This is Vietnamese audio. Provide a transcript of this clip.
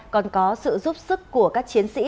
còn có sự giúp sức của các chiến sĩ